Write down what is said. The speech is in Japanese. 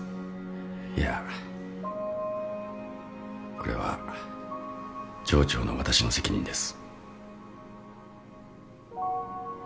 これは上長の私の責任です。